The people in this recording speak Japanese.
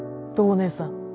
お姉さん。